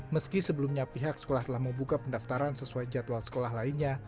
meski sebelumnya pihak sekolah telah membuka pendaftaran sesuai jadwal sekolah lainnya